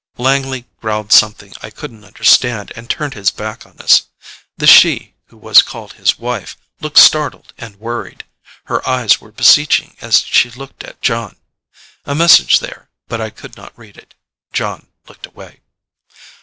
Langley growled something I couldn't understand, and turned his back on us. The she who was called his wife looked startled and worried. Her eyes were beseeching as she looked at Jon. A message there, but I could not read it. Jon looked away.